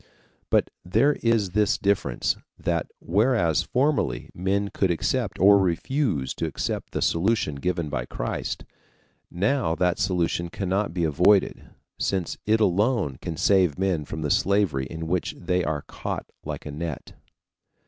But there is this difference, that whereas formerly men could accept or refuse to accept the solution given by Christ, now that solution cannot be avoided, since it alone can save men from the slavery in which they are caught like a net.